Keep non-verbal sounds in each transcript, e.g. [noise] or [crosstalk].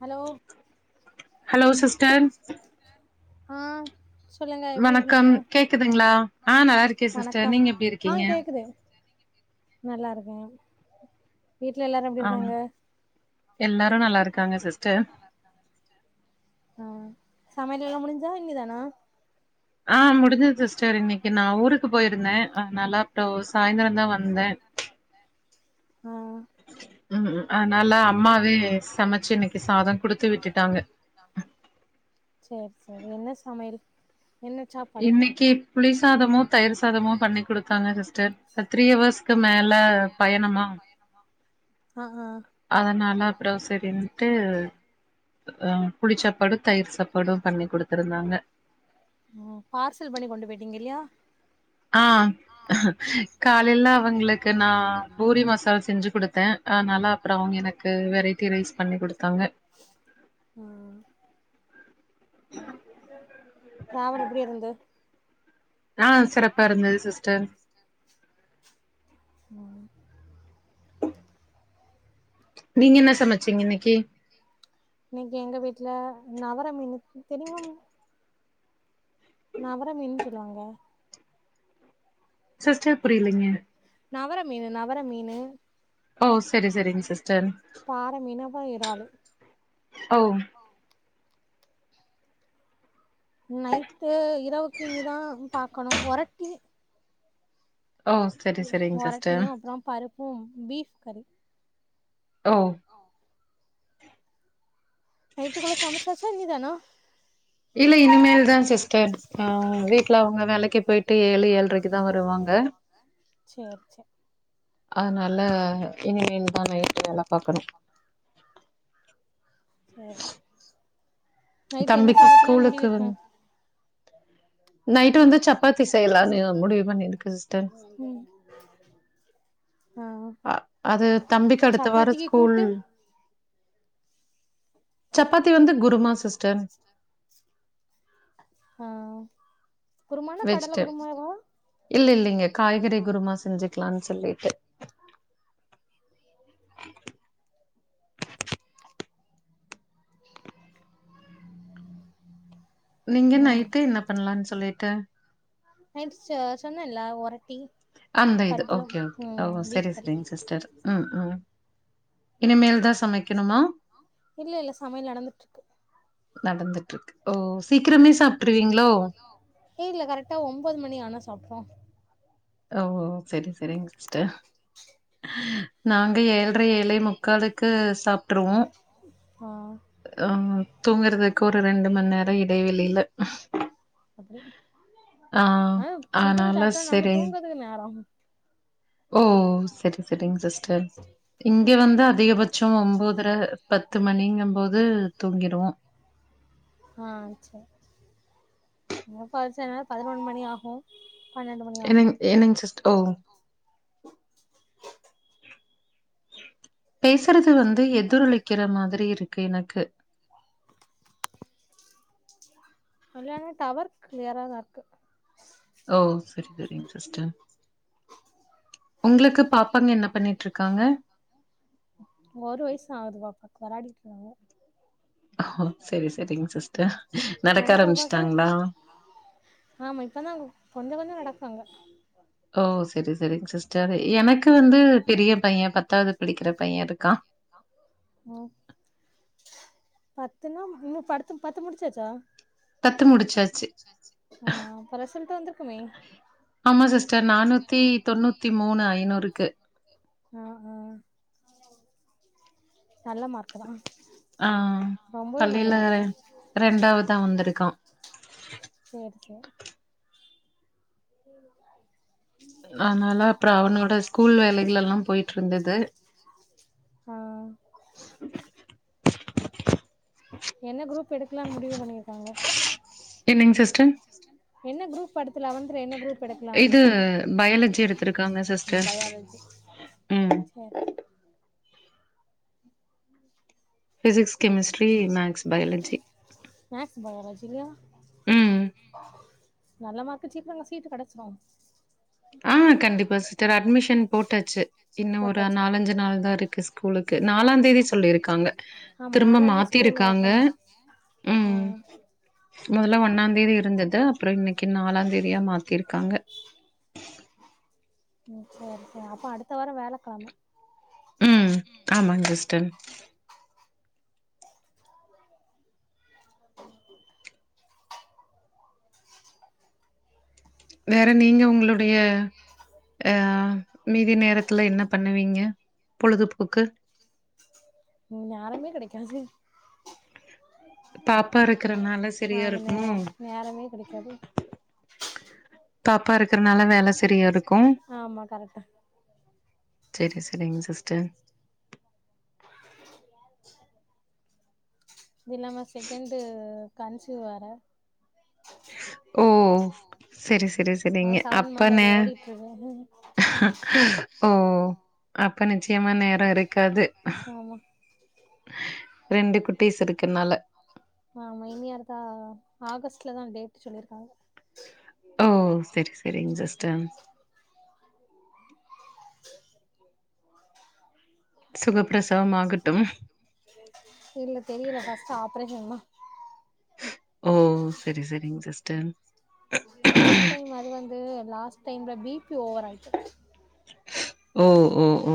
Hello hello sister ஆஹ் வணக்கம் கேக்குதுங்களா ஆஹ் நல்லா இருக்கேன் சிஸ்டர் வணக்கம் நீங்க எப்டி ஆ இருக்கீங்க கேக்குது நல்லா இருக்கேன் வீட்ல எல்லாரும் எப்படி இருக்காங்க எல்லாரும் நல்லா இருக் காங்க சிஸ்டர் ஆ சமையல் எல்லாம் முடிஞ்தா இன்மே தானா ஆஹ் முடிஞ்சது சிஸ் சரி இன்னைக்கு நா ஊருக்கு போயிருந்தேன் ஆ நால்லப்றோ சாயந்தரம் தா வந் சாயந்தரம் தா வந்தேன் ஆ உம் ம் அதனால அம்மாவே சமைச்சு இன்னைக்கு சாதம் குடுத்து விட்டுட்டாங்க சேர் சேர் என்ன சமையல் என்ன சாப்பாடு இன்னைக்கு புளிசாதமோ தயிர் சாதமோ பண்ணி குடுத்தாங்க சிஸ்டர் த்ரீ ஹவர்ஸ்க்கு மேல பயணமா ஆஹ் ஆஹ் அதனால அப்புறம் செரின்ட்டு அஹ் புளிச்சாப்பாடு தயிர் சாப்பாடும் பண்ணி கொடுத்துருந்தாங்க உம் பார்சல் பண்ணி கொண்டு போயிட்டீங்க இல்லையா ஆஹ் காலையில அவங்களுக்கு நா பூரி மசாலா செஞ்சு கொடுத்தே அதனால அப்புறம் அவங்க எனக்கு வெரைட்டி ரைஸ் பண்ணி கொடுத்தாங்க உம் டிராவல் எப்படி இருந்து ஆஹ் சிறப்பா இருந்தது சிஸ்டர் உம் நீங்க என்ன சமைச்சீங்க இன்னைக்கு ல நவர மீன் தெரியுமா உ நவர மீன்னு சொல்லுவாங்க சிஸ்டர் புரியலங்க நவர மீனு நவர மீனு ஓ சரி சரிங்க சிஸ்டர் பாற மீனு அப்றோ இறாலு ஓ நைட்டு இரவுக்கு இனிதா பாக்கணும் ஒரட்டி ஓ செரி செரிங்க சிஸ்டர் ஒரட்டியும் அப்பறம் பருப்பும் பீப் கறி ஓ நைட்டுகுள்ள சமச்சாச்ச இனிதான இல்ல இனிமேல் தா சிஸ்டர் ஆ வீட்ல அவங்க வேலைக்கு போயிட்டு ஏழு ஏழ்ரைக்கு தா வருவாங்க செரி செரி அதனால இனிமேல் தா நைட்டு வேல பாக்கணும் ச [inaudible] நைட்டு என்ன தம்பிக்கு சமைக்கலான்னு முடிவிருக்கா நைட் வந்து சப்பாத்தி செய்யலானு முடிவு பண்ணிருக்கு சிஸ்டர் ம் ஆ அ அது தம்பிக்கு அடுத்த வார சப்பாத்திக்கு ஸ்கூல் கூட்டு சப்பாத்தி வந்து குருமா சிஸ்டர் ஆஹ் வெஜ்டேப் இல்ல இல்லைங்க காய்கறி குருமா செஞ்சுக்கலானு சொ சொல்லிட்டு நீங்க ம் நைட்டு என்ன பண்லானு சொல்லிட்டு நைட்டு ச சொன்னல்ல ஒர அந்த இது ஓகே ஓகே ஓ சரி பீஃப் கறி சரிங்க சிஸ்டர் உம் உம் இனிமேல் தா சமைக்கணுமா இல்ல இல்ல சமையல் நடந்துட்ருக்கு நடந்துட்ருக்கு ஓ சீக்கிரமே சாப்ட்டுருவீங்களோ? இல்ல கரெக்டா ஒன்போது மணி ஆனா சாப்ட்டுருவோ ஓ சரி சரிங்க சிஸ்டர் நாங்க ஏ ழரை ஏலே முக்காலுக்கு சாப்ட்டுருவோ ஆ ஆஹ் தூங்குறதுக்கு ஒரு ரெண்டு மணி நேர இடைவெளியில அப்டி ஆ அ சீக்கிரோ அதனால சாப்பிட்டா நாங்க சரி. தூங்குறதுக்கு நேரோ ஓ செரிங் செரிங்க சிஸ்டர் இங்க வந்து அதிகபட்ச ஒம்போதர பத்து மணிங்க போது தூங்கிடுவோ ஆஹ் சேர் மொ பரீட்ச நேரோ பதினோரு மணி ஆகு பன்னெண்டு மணி ஆகு என்னங் என்னங்க சிஸ்ட ஓ [inaudible] பேசுறது வந்து எதிரொலிக்கிற மாதிரி இருக்கு எனக்கு [unintelligible] டவர் கிளியர் ஆ தா இருக்கு ஓ செரி செரிங்க சிஸ்டர் உங்களுக்கு பாப் ஒரு வயசு ஆகுது பாப்பாக்கு வராடி [unintelligible] ஓ செரி செரிங்க சிஸ்டர் நடக்க உங்க பாப்பாக்கு ஆரம்பிச்ட்டாங்களா அங்க ஓ செரி செரிங்க சிஸ்டர் எனக்கு வந்து எனக்குமே பையன் பெரிய பைய படிக்கிற பத்தாவது பையன் படிக்குற இருக்கான். பைய இருக்கா ஓ பத்துன்னா இன்னு படுத்து பத்து முடிச்சாச்சா பத்து முடிச்சாச்சு ஆ அப்ப ரிசல்ட் வந்திருக்குமே ஆமா சிஸ்டர் நானூத்தி தொண்ணூத்தி மூணு ஐநூறுக்கு ஆஹா ஆஹ் ரொம்பவே நல்ல பள்ளியில மார்க்கு தா ரெண்டாவதா வந்திருக்கா சேர் சேர் [inaudible] அதனால அப்றோ அவனோட ஸ்கூல் வேலைகள் எல்லா பொய்ட்டு இருந்துது ஆ என்ன குரூப் எடுக்கலான் முடிவு பண்ணிருக்காங்கோ என்னங்க சிஸ்டர்? என்ன குரூப் அடுத் து லெவன்த்துல என்ன குரூப் எடுக்கலானு இது பயாலஜி எடுத்திருக்காங்க சிஸ்டர். பயாலஜி ம். சேர் சேர் ஃபிசிக்ஸ் கெமிஸ்ட்ரி மேக்ஸ் பயாலஜி பயாலஜிலயா ம். நல்ல மார்க் சீக்கரோ சீட்டு கெடச்சுறு ஆஹ் கண்டிப்பா சிஸ்டர் அட்மிஷன் போட்டாச்சு இன்னு ஒரு போட்டாச்சா நாலஞ்சு நாள்தா இருக்கு ஸ்கூலுக் நாலாந் தேதி சொல்லியிருக்காங்க ஆமா திரும்ப நாலாந்தே ஸ்கூல் மாத்திருக்காங்க ஓப்பன் ஆ உம் மொதல்ல ஒன்னாந் தேதி இருந்தது அப்புறோ இன்னைக்கு நாலாந் தேதியா மாத்திருக் காங்க உம் சேரி சேரி அப்ப அடுத்த வாரொ வியாழக்கெழம உம் ஆமா ஜஸ் டென் வேற நீங்க உங்களுடைய யாஹ் மீதி நேரத்துல என்ன பண்ணுவீங்க பொழுதுபோக்கு நேரமே கெடைக்காது பாப்பா இருக்கறனால சரியா ஆமா நே இருக்குமோ நேரமே கெடைக்காது பாப்பா இருக்கறனால வேல சரியா இருக்கு ஆமா கரெக்டா சரி சரிங்க சிஸ்டர் [inaudible] அது இல்லாம செகண்ட் கன்சீவ் வேற ஓ சரி சரி ஆ சரிங்க செவன் அப்ப மந்த் நே அப்டி ஓடிட்டு இருக்கு ஓ அப்ப நிச்சயமா நேர இருக்காது ஆமா ரெண்டு குட்டீஸ் இருக்கர்னால அமைதியா இருக்கா ஆகஸ்ட்லதா டேட் சொல்லியிருக்காங்க டம் சுகப்பிரசவம் ஆகட்டும் இல்ல தெரியல ஃபர்ஸ்ட் ஆப்ரேஷன்மா ஜஸ்டன் ஃபஸ்ட்டைம் அது வந்து லாஸ்ட் என்னோட பி பி ஓவர் ஆச்சி ஓ ஓ ஓ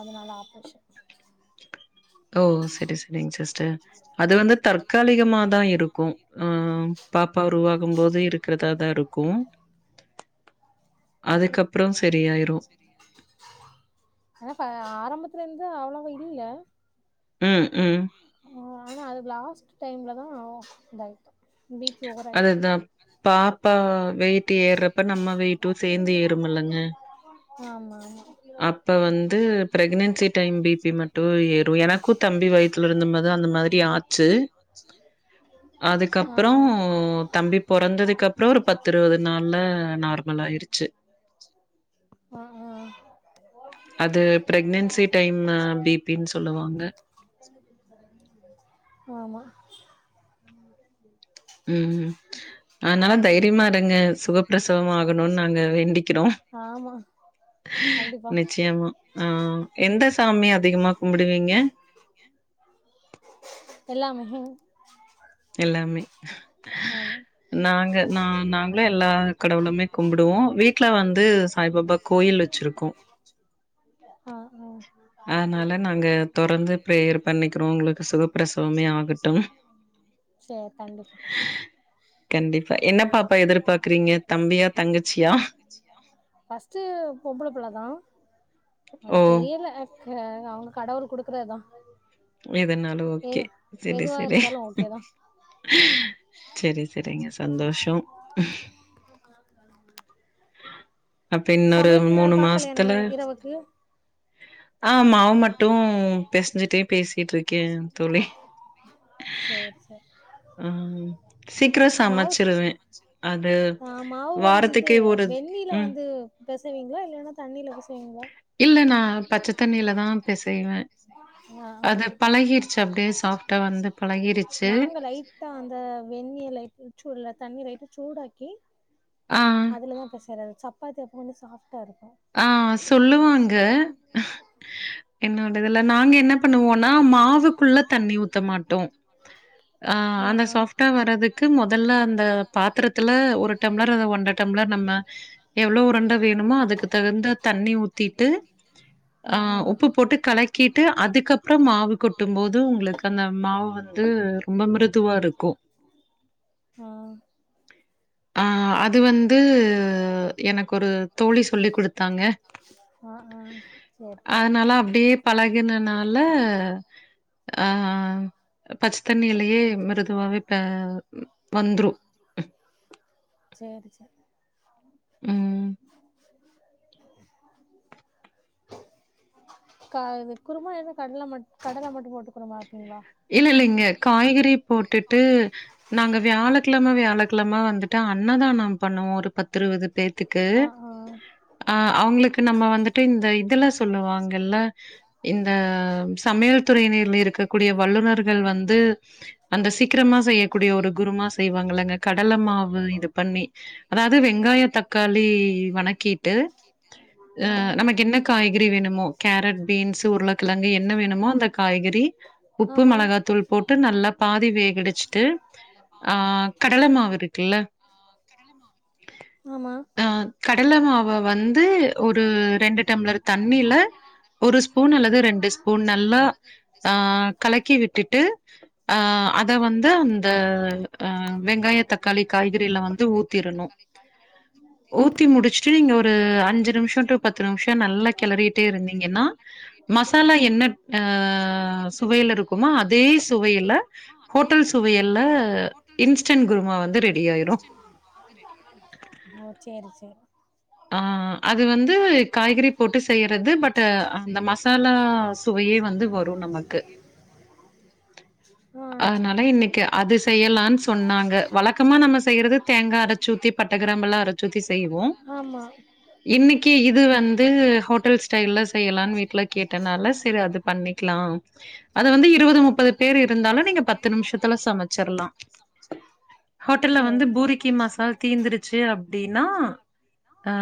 அதனால ஆப்ரேஷன் ஓ சரி சரிங் சிஸ் டர் அது வந்து தற்காலிகமாதா இருக்கு ஆஹ் பாப்பா உருவாகும்போது இருக்கிறதாதா இருக்கு அதுக்கப்புறோ ஆனா ஆரம்பத் திலருந்து அவ்ளவா இல்ல உம் உம் ஆனா அது லாஸ்ட் டைம்லதா இதாயிட்டு பி பி ஓவர் ஆயிட்டு அதுதா பாப்பா வெயிட்டு ஏர்றப்ப நம்ம வெயிட்டு சேர்ந்து ஏறுமல்வங்க ஆமா அப்ப வந்து பிரெக்னன்சி டைம் பி பி மட்டு ஏறு எனக்கு தம்பி வை [inaudible] அப்புறோ தம்பி பொறந்ததுக்கு அப்புறோ ஒரு பத்து இருவது நாள்ல நார்மல் ஆயிருச்சு ஆ ஆ ஆ அது பிரெக்னன்சி டைம் பி பினு சொல்லுவாங்க ஆமா உம் அதனால தைரியமா இருங்க சுகப்பிரசவம் ஆகணுனு நாங்க வேண்டிக்கிறோ ஆமா கண்டிப்பா நிச்சயமா ஆஹ் எந்த சாமி அதிகமா கும்பிடுவீங்க எல்லாமே எல்லாமே ஆமா நாங்க நா நாங்களு எல்லா கடவுளுமே கும்புடுவோ வீட்டுல வந்து சாய்பாபா கோயில் வெச்சிருக்கோ ஆஹ் ஆஹ் நாங்க தொறந்து பிரேயர் பண்ணிக்கிறோம். உங்களுக்கு சுகப்பிரசவமே ஆகட்டும். செரி கண்டிப்பா கண்டிப்பா. என்ன பாப்பா எதிர்பார்க்குறீங்க? தம்பியா? தங்கச்சியா? ஃபர்ஸ்டு பொம்பள புள்ள தா ஓ தெரியில அ ஆ அவ்ங்க கடவுள் குடுக்குறதா எதனாலும் ஓகே சரி சரி இருந்தாலு ஓகேதா செரி செ சந்தோஷ [inaudible] அப்ப இன்னொரு சமையல் மூணு பாக்கலையா நை மாசத்துல இரவுக்கு ஆஹ் மாவு மட்டு பெசஞ்சுட்டே பேசிட்டு இருக்கே தோழி சேரி சேரி ம் சீக்கிரம் மாவு சமைச்சிருவேன். அது ஆஹ் மாவு வந்து இது வாரத்துக்கு ஒரு வெந்நீர்ல ம் வந்து பெசவீங்களா இல்லன்னா தண்ணில பெசவீங்களா பெசைய்வே ஆ ஆ அது பழகிடுச்சு அப்டியே சாஃப்டா வந்து பழகிருச்சு நாங்க லைட்டா அந்த வெந்நீ லைட் சூடல தண்ணி லைட்ட சூடாக்கி ஆ அதுலதா பெசறது சப்பாத்தி அப்ப கொஞ்சோ சாஃப் ஆஹ் சொல்லுவாங்க என்னோடதுலன்னா நாங்க என்ன பண்ணுவோம்னா மாவுக்குள்ள தண்ணி ஊத்த மாட்டோ ஆஹ் ஆ அந்த ஆ சாஃப்டா வர்ரதுக்கு மொதல்ல அந்த பாத்திரத்துல ஒரு டம்ளர் அத ஒண்ற டம்ளர் நம்ம எவ்ளோ உருண்ட வேணுமோ அதுக்கு தகுந்த தண்ணி ஊத்திட்டு ஆஹ் ஆ உப்பு போட்டு கலக்கிட்டு அதுக்கு அப் டா மாவு கொட்டும் போது உங்களுக்கு அந்த மா வந்து ரொம்ப மிருது துவா இருக்கு ஆ ஆ ஆஹ் அது வந்து எனக்கு ஒரு தோழி சொல்லிக் குடுத்தாங்க ஆ ஆ சேரி சேரி அதனால அப்டியே பழகினனால ஆஹ் பச்சத்தண்ணியிலயே மிருதுவாவே ஆ வந்துரு செரி செரி உம் க இது குருமா எது கடல மட் கடல மட்டு போட்டு குருமா வப்பீங்களா இல்ல இல்லைங்க காய்கறி போட்டுட்டு நாங்க வியாழக் கிழம வியாழக்கிழம வந்துட்டு அன்னதான பண்ணுவோ ஒரு பத் இருவது பேர் த்துக்கு ஆ ஆ ஆஹ் அவ்ங்களுக்கு ப்ப நம்ம வந்து ட்டு இந்த இதெல்லா சொல்லுவாங்கல்ல இந்த சமையல் துறையினர்ல இருக்கக்கூடிய வல்லுநர்கள் வந்து அந்த சீக்கிரமா செய்யக்கூடிய ஒரு குருமா செய்வாங்கங்கல்லங்க கடலை மாவு இது பண்ணி அதாவது வெங்காய தக்காளி வணக்கிட்டு ஆ அஹ நமக்கு என்ன காய்கறி வேணுமோ கேரட் பீன்ஸ் உருளக்கிழங்கு என்ன வேணுமோ அந்த காய்கறி உப்பு ஆமா மிளகாத்தூள் போட்டு நல்லா பாதி வேகடிச்சுட்டு ஆ கடல மாவு இருக்குல்ல ஆ கடல மாவு வ வந் கடல மாவ வந்து ஒரு ரெண்டு டம்ளர் ஸ்பூன் அல்லது தண்ணில ஒரு ஸ்பூன் நல்லா அல்லது ரெண்டு ஆ ஸ்பூன் கலக்கி விட்டுட்டு அஹ் அத வந்து அந்த ஹ வெங்காய தக்காளி காய்கறிலாம் வந்து ஊத்திடணு ஊத்தி முடிச்சுட்டு நீங்க ஒரு அஞ்சு நிமிஷோ டூ பத்து நிமிஷோ நல்லா கிளறிட்டே இருந்தீங்கன்னா மசாலா எண்ண அ சுவையில இருக்குமோ அதே சுவையில ஹோட்டல் சுவையல்ல இன்ஸ்டன்ட் குருமா வந்து ரெடி ஆயிரு ஓ சேரி சேரி ஆஹ் அது வந்து காய்கறி போட்டு செய்யறது பட் அந்த மசாலா சுவையே வந்து வரு நமக்கு ஆ சேரி அதனால இன்னைக்கு அது செய்யலானு சொன்னாங்க வழக்கமா நம்ம செய்யறது தேங்கா அரச்சு ஊத்தி பட்ட கிரம்பெல்லா அரச்சு ஊத்தி செய்வோ ஆமா இன்னைக்கு இது வந்து ஹோட்டல் ஸ்டைல்ல செய்யலானு வீட்ல கேட்டனால சரி அது பண்ணிக்கலா அது வந்து இருவது முப்பது பேர் இருந்தாலு நீங்க பத்து நிமிஷத்துல சமைச்சிரலா ஹோட்டல்ல வந்து சேரி சேரி பூரிக்கி மசாலா தீந்துருச்சு அப்டினா அ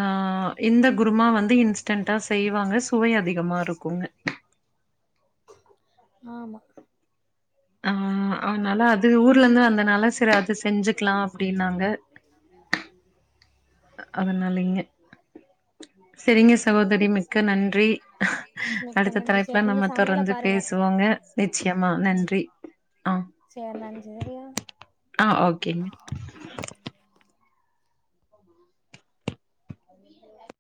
இந்த குருமா வந்து இன்ஸ்டன்டா செய்வாங்க சுவை அதிகமா இருக்குங்க ஆமா அ அவனல்லா அத் அதனா அது ஊர்ல இருந்து அந்தனால சரி அதை செஞ்சுக்கலாம் அப்படின்ன அதனாலிங்க செரிங்க சகோதரி மிக்க நன்றி மிக்க அடுத்த நன்றி சேரி தலைப்புல நீங்க நம்ம தொடர் சமையல வந்து பாருங்க பேசுவோங்க நிச்சயமா ம் நன்றி ஆஹ் சேரி நன்றி சரியா ஆ ஓகேங்க [inaudible] [inaudible]